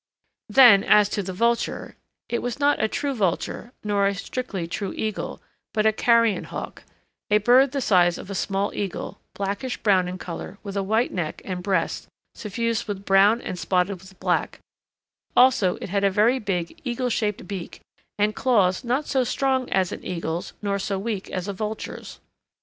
Then, as to the vulture, it was not a true vulture nor a strictly true eagle, but a carrion hawk, a bird the size of a small eagle, blackish brown in colour with a white neck and breast suffused with brown and spotted with black; also it had a very big eagle shaped beak, and claws not so strong as an eagle's nor so weak as a vulture's.